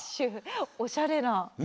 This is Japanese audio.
おしゃれ。